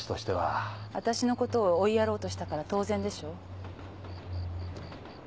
私のことを追いやろうとしたから当然でしょ。